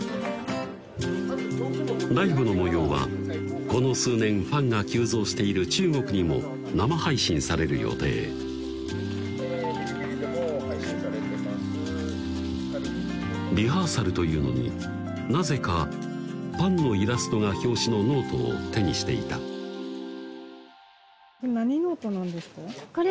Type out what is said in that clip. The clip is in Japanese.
ライブの模様はこの数年ファンが急増している中国にも生配信される予定リハーサルというのになぜかパンのイラストが表紙のノートを手にしていた何ノートなんですか？